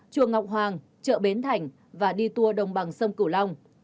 chùa ngọc hoàng chợ bến thành và đi tour đồng bằng sông cửu long